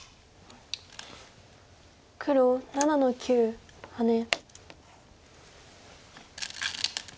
黒７の九ハネ。